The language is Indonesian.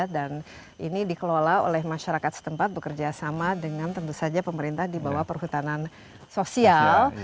dan ini dikelola oleh masyarakat setempat bekerja sama dengan tentu saja pemerintah di bawah perhutanan sosial